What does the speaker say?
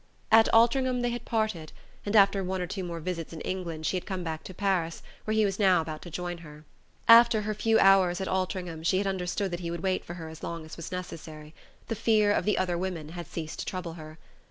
At Altringham they had parted; and after one or two more visits in England she had come back to Paris, where he was now about to join her. After her few hours at Altringham she had understood that he would wait for her as long as was necessary: the fear of the "other women" had ceased to trouble her.